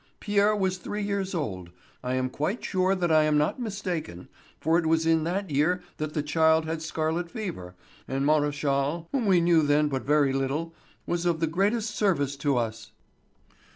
Pierre was three years old. I am quite sure that I am not mistaken, for it was in that year that the child had scarlet fever, and Maréchal, whom we knew then but very little, was of the greatest service to us."